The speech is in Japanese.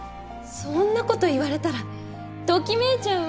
そんなこと言われたらときめいちゃうわ！